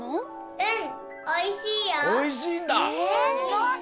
うん。